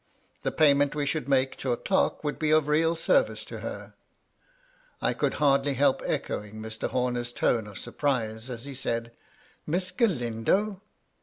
The pay ment we should make to a clerk would be of real service to her !" I could hardly help echoing Mr. Homer's tone of surprise as he said — "MissGalmdo!"